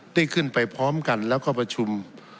ได้ขึ้นไปพร้อมกันแล้วก็ประชุม